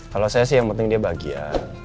kalau saya sih yang penting dia bahagia